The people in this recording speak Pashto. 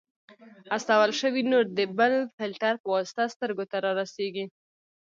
استول شوی نور د بل فلټر په واسطه سترګو ته رارسیږي.